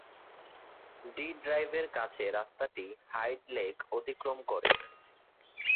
D ড্রাইভের কাছে, রাস্তাটি হাইড লেক অতিক্রম করে।